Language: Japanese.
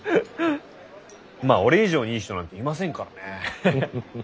まあ俺以上にいい人なんていませんからね。